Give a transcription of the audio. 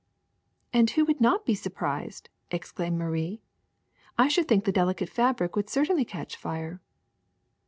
'' And who would not be surprised!'' exclaimed Marie. ''I should think the delicate fabric would certainly catch fire."